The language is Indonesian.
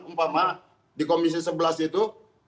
umpama di komisi sebelas itu